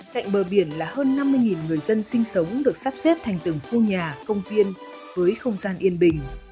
cạnh bờ biển là hơn năm mươi người dân sinh sống được sắp xếp thành từng khu nhà công viên với không gian yên bình